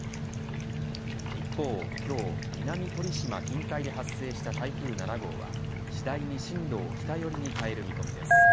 一方、今日、南鳥島近海で発生した台風７号は次第に進路を北寄りに変える見込みです。